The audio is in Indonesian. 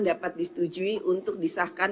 dapat disetujui untuk disahkan